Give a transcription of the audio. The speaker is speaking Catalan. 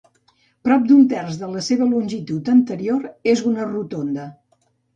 Prop d'un terç de la seva longitud anterior és una rotonda.